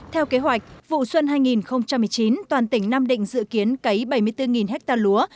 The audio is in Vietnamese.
theo kế hoạch vụ xuân hai nghìn một mươi chín toàn tỉnh nam định dự kiến cấy bảy mươi bốn ha lúa